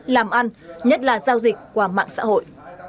làm ăn nhất là giao dịch qua mạng xã hội